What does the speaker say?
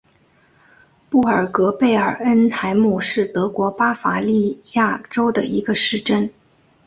布尔格贝尔恩海姆是德国巴伐利亚州的一个市镇。